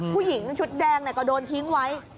ผู้หญิงชุดแดงก็โดนทิ้งไว้